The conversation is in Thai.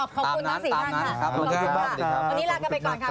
ขอบคุณมากสีท่านค่ะขอบคุณมาก